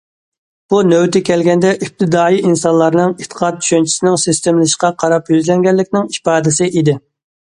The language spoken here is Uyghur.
بۇ نۆۋىتى كەلگەندە ئىپتىدائىي ئىنسانلارنىڭ ئېتىقاد چۈشەنچىسىنىڭ سىستېمىلىشىشقا قاراپ يۈزلەنگەنلىكىنىڭ ئىپادىسى ئىدى.